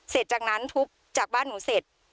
เสร็จจากนั้นทุบจากบ้านหนูเสร็จ